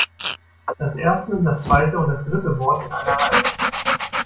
Das erste, das zweite und das dritte Wort in einer Reihe.